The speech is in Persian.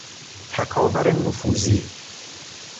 تکاور نفوذی